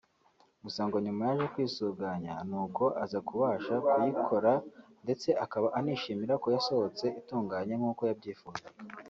Gusa ngo nyuma yaje kwisuganya nuko aza kubasha kuyikora ndetse akaba anishimira ko yasohotse itunganye nk’uko yabyifuzaga